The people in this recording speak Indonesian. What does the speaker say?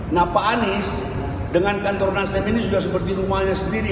nah pak anies dengan kantor nasdem ini sudah seperti rumahnya sendiri